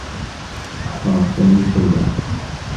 أحضر سامي كلبه.